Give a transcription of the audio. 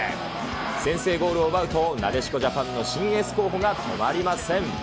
先制ゴールを奪うとなでしこジャパンの新エース候補が止まりません。